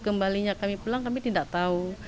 dan sebelumnya kami pulang kami tidak tahu